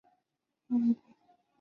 隶属于军政部。